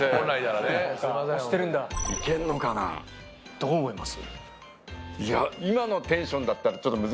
どう思います？